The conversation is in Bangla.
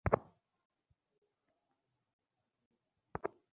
পুরো পৃথিবীজুড়ে মানুষের ওপর তাদের আছর করার ঘটনার পরিমাণ বৃদ্ধি পাচ্ছে।